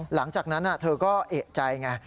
หลังจากนั้นเธอก็เอกใจไง